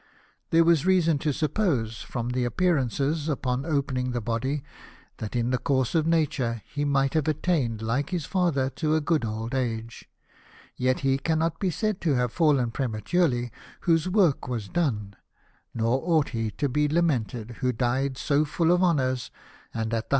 There was reason to suppose, from the appear ances upon opening the body, that in the course of nature he might have attained, like his father, to a good old age. Yet he cannot be said to have fallen prematurely whose work was done ; nor ought he to be lamented who died so full of honours and at the 320 LIFE OF NELSOJV.